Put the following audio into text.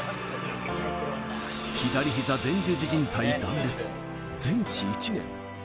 左膝前十字靭帯断裂、全治１年。